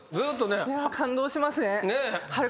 感動しますね。